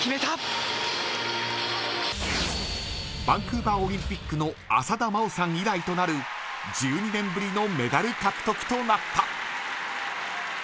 バンクーバーオリンピックの浅田真央さん以来となる１２年ぶりのメダル獲得となった。